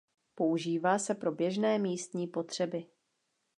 Používá se pro běžné místní potřeby.